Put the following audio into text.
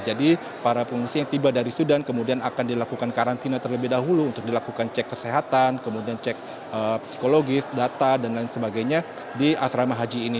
jadi para pengungsi yang tiba dari sudan kemudian akan dilakukan karantina terlebih dahulu untuk dilakukan cek kesehatan kemudian cek psikologis data dan lain sebagainya di asrama haji ini